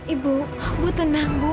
ibu bu tenang bu